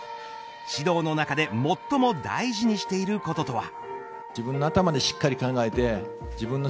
指導の中で最も大事にしていることとは。